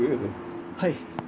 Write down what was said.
はい。